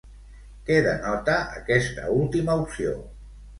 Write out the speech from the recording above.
Què denota aquesta última opció?